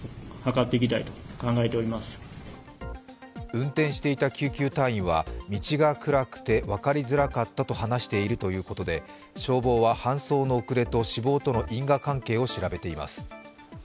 運転していた救急隊員は道が暗くて分かりづらかったと話しているということで消防は搬送の遅れと死亡との因果関係を調べています。